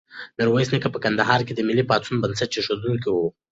میرویس نیکه په کندهار کې د ملي پاڅون بنسټ ایښودونکی و.